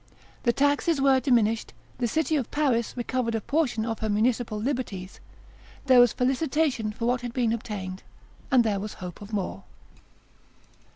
The taxes were diminished; the city of Paris recovered a portion of her municipal liberties; there was felicitation for what had been obtained, and there was hope of more.